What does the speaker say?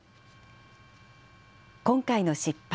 今回の失敗。